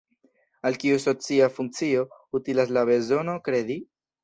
Al kiu socia funkcio utilas la bezono kredi?